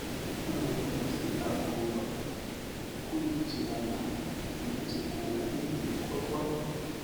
umuyobozi agomba gukurikirana umunsi ku wundi ibikorwa.